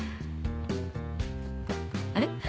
あれ？